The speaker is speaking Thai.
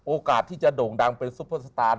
โอกาสที่จะโด่งดังเป็นซุปเปอร์สตาร์